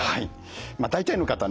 大体の方ね